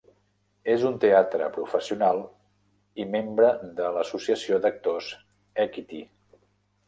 És un teatre professional i membre de l'Associació d'Actors Equity.